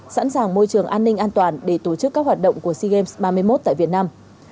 sẵn sàng môi trường an ninh an toàn để tổ chức các hoạt động của sea games ba mươi một tại việt nam